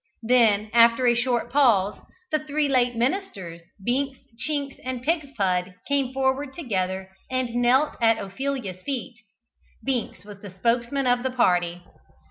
Then, after a short pause, the three late ministers, Binks, Chinks, and Pigspud came forward together and knelt at Ophelia's feet. Binks was the spokesman of the party.